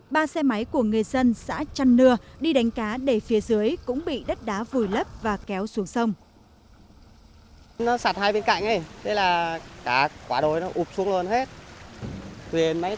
ba xe máy của người dân xã trăn nưa đi đánh cá để phía dưới cũng bị đất đá vùi lấp và kéo xuống sông